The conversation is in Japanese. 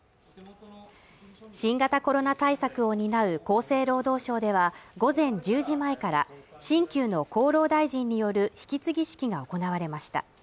新型コロナ対策を担う厚生労働省では午前１０時前から新旧の厚労大臣による引き継ぎ式が行われました